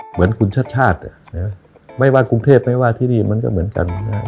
เหมือนคุณชาติชาติไม่ว่ากรุงเทพไม่ว่าที่นี่มันก็เหมือนกัน